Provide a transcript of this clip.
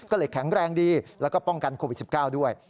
ก็เลยแข็งแรงดีแล้วก็ป้องกันโควิด๑๙ด้วย